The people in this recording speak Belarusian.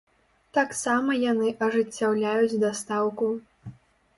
Таксама яны ажыццяўляюць дастаўку.